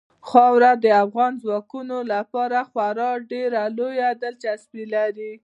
خاوره د افغان ځوانانو لپاره خورا ډېره لویه دلچسپي لري.